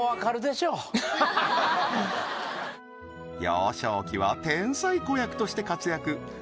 幼少期は天才子役として活躍